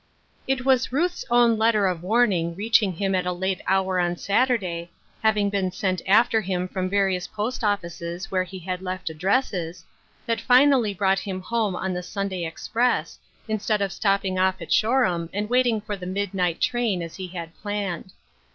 IT was Ruth's own letter of warning reaching him at a late hour on Saturday, having been sent after him from various post offices where he had left addresses, that finally brought him home on the Sunday express, instead of stopping off at Shoreham and waiting for the midnight train, as he had planned.